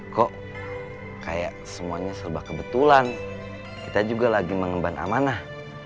kok kayak semuanya serba kebetulan kita juga lagi mengemban amanah